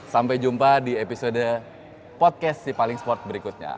sampai jumpa di episode podcast si paling sport berikutnya